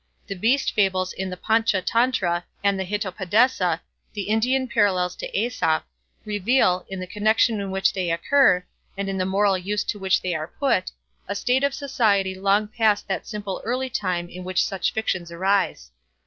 The Beast Fables in the Pantcha Tantra and the Hitopadesa, the Indian parallels to Aesop, reveal, in the connection in which they occur, and in the moral use to which they are put, a state of society long past that simple early time in which such fictions arise.